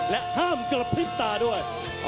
และห้ามกระพริบตาด้วย